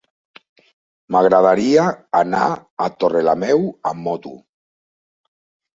M'agradaria anar a Torrelameu amb moto.